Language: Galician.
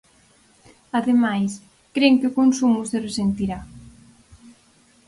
Ademais, cren que o consumo se resentirá.